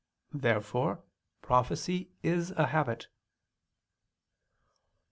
Therefore prophecy is a habit.